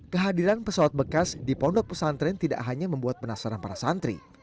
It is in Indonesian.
kehadiran pesawat bekas di pondok pesantren tidak hanya membuat penasaran para santri